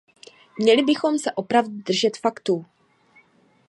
Měli bychom se opravdu držet faktů.